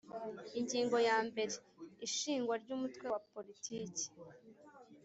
Ingingo ya mbere Ishingwa ry umutwe wa politiki